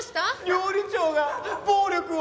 料理長が暴力を。